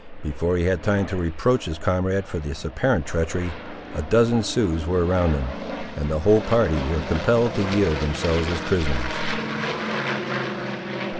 Before he had time to reproach his comrade for this apparent treachery, a dozen Siouxes were around them, and the whole party were compelled to yield themselves as prisoners.